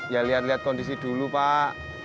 ya lihat lihat kondisi dulu pak